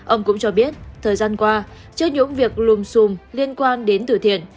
ông cũng cho biết thời gian qua trước những việc lùm xùm liên quan đến tử thiện